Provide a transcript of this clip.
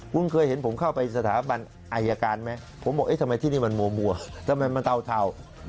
คุณเคยเห็นผมเข้าไปสถาบันอายการไหมผมบอกเอ๊ะทำไมที่นี่มันมัวทำไมมันเทา